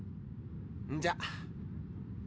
じゃあ。